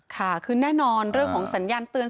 ค่ะคือแน่นอนเรื่องของสัญญาณเตือน